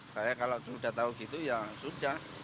saya kalau sudah tahu gitu ya sudah